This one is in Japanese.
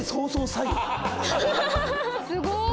すごーい！